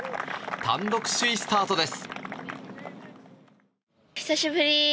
単独首位スタートです。